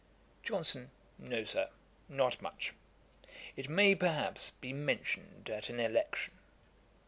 JOHNSON. 'No, Sir; not much. It may, perhaps, be mentioned at an election.'